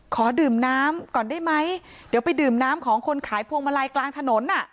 ขอดื่มน้ำก่อนได้ไหมเดี๋ยวไปดื่มน้ำของคนขายพวงมาลัยกลางถนน